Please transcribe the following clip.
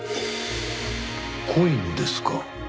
コインですか。